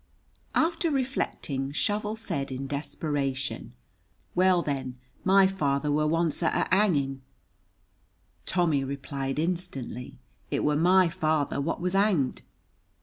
After reflecting, Shovel said in desperation, "Well, then, my father were once at a hanging." Tommy replied instantly, "It were my father what was hanged."